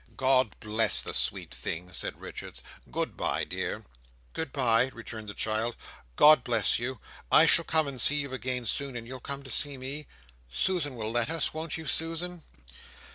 "God bless the sweet thing!" said Richards, "Good bye, dear!" "Good bye!" returned the child. "God bless you! I shall come to see you again soon, and you'll come to see me? Susan will let us. Won't you, Susan?"